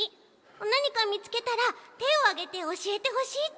なにかみつけたらてをあげておしえてほしいち！